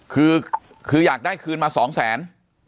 คือคืออยากได้คืนมาสองแสน